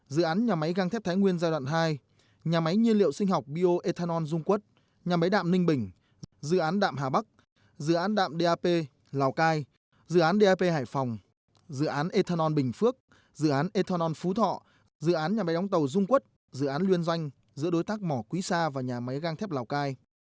dự án nhà máy găng thép thái nguyên giai đoạn hai nhà máy nhiên liệu sinh học bio ethanol dung quất nhà máy đạm ninh bình dự án đạm hà bắc dự án đạm dap lào cai dự án dap hải phòng dự án ethanol bình phước dự án ethanol phú thọ dự án nhà máy đóng tàu dung quất dự án luyên doanh giữa đối tác mỏ quý sa và nhà máy găng thép lào cai